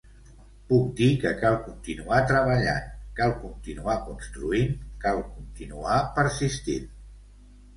Puc dir que cal continuar treballant, cal continuar construint, cal continuar persistint.